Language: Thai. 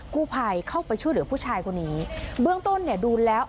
กู้ภัยเข้าไปช่วยเหลือผู้ชายคนนี้เบื้องต้นเนี่ยดูแล้ว